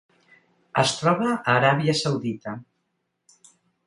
Es troba a Aràbia Saudita.